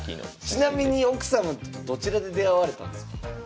ちなみに奥様とどちらで出会われたんですか？